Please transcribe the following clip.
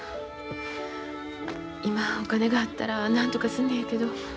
今お金があったらなんとかすんのやけど。